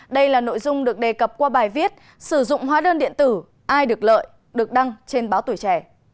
đây là nội dung được đề cập qua bài viết sử dụng hóa đơn điện tử ai được lợi được đăng trên báo tuổi trẻ